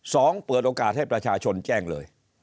เปิดโอกาสให้ประชาชนแจ้งเลย